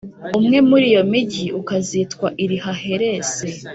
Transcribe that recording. Umwe muri iyo migi ukazitwa Iri‐Haheresi,